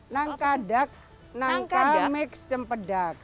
nangka dac nangka mix cempedak